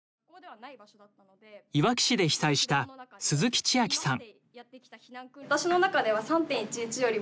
いわき市で被災した鈴木千秋さん。